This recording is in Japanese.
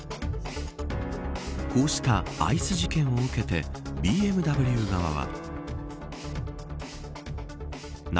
こうしたアイス事件を受けて、ＢＭＷ側は。